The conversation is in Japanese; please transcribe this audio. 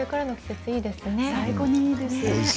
最高にいいですね。